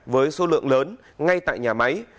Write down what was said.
với số lượng lớn ngay tại nhà máy